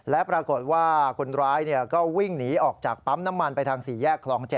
และปรากฏว่าคนร้ายก็วิ่งหนีออกจากปั๊มน้ำมันไปทาง๔แยกคลอง๗